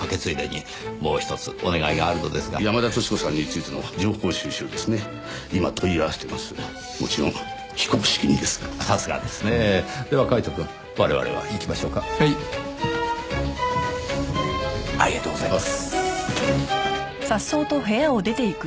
ありがとうございます。